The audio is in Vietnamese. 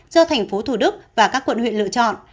do tp hcm và các quận huyện lựa chọn